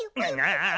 ああ！